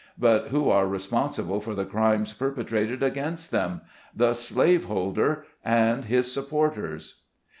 But who are responsible for the crimes perpetrated against them ? The slave holder and his supporters